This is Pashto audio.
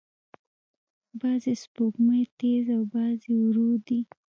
بعضې سپوږمۍ تیز او بعضې ورو دي.